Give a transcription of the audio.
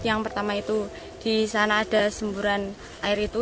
yang pertama itu di sana ada semburan air itu